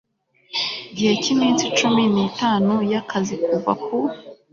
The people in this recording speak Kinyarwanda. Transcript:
gihe cy iminsi cumi n itanu y akazi kuva ku